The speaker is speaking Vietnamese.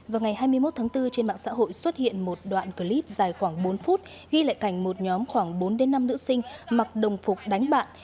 vào ngày hai mươi một tháng bốn trên mạng xã hội xuất hiện một đoạn clip dài khoảng bốn phút ghi lại cảnh một nhóm khoảng bốn năm nữ sinh mặc đồng phục đánh bạn